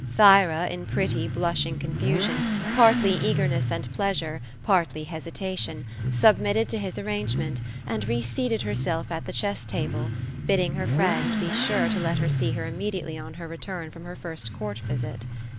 Thyra in pretty, blushing cunfusion, partly eagerness and pleasure, partly hesitation, submitted to his arrangement, and reseated herself at the chess table, bidding her friend be sure to let her see her immediately, on her return from her first court visit.